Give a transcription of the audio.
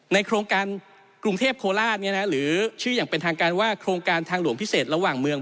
โครงการกรุงเทพโคราชหรือชื่ออย่างเป็นทางการว่าโครงการทางหลวงพิเศษระหว่างเมือง